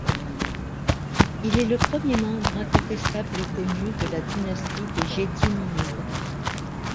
Il est le premier membre incontestable connu de la dynastie des Gédiminides.